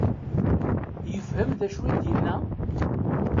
Yefhem d acu i d-yenna?